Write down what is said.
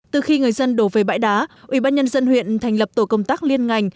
từ khi người dân đổ về bãi đá ủy ban nhân dân huyện thành lập tổ công tác liên ngành